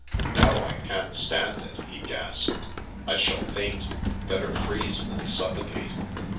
" No, I can't stand it," he gasped. " I shall faint Better freeze than suffocate."